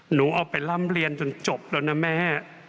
หนูเอาไปร่ำเรียนจนจบแล้วนะแม่